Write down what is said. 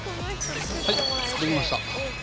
はい、作りました。